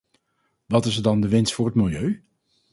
Wat is dan de winst voor het milieu?